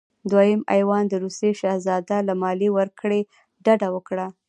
دویم ایوان د روسیې شهزاده له مالیې ورکړې ډډه وکړه.